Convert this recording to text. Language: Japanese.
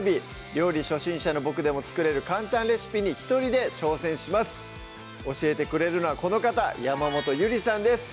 料理初心者のボクでも作れる簡単レシピに一人で挑戦します教えてくれるのはこの方山本ゆりさんです